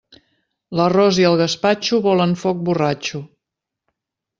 L'arròs i el gaspatxo volen foc borratxo.